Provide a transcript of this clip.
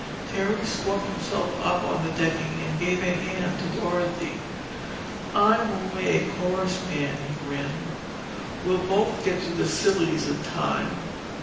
Terry swung himself up on the decking and gave a hand to Dorothy. "I'm only a chorus man," he grinned. "We'll both get to the Sillies in time.